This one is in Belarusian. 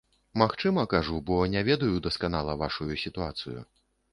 Магчыма, кажу, бо не ведаю дасканала вашую сітуацыю.